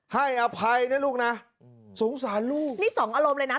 อภัยนะลูกนะสงสารลูกนี่สองอารมณ์เลยนะ